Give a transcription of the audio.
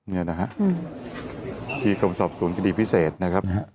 นี่นะฮะที่กรมสอบสวนคดีพิเศษนะครับ